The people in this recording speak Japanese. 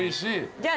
じゃあ